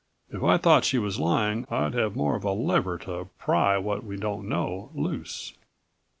If I thought she was lying I'd have more of a lever to pry what we don't know loose."